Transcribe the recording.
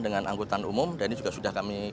dengan angkutan umum dan ini juga sudah kami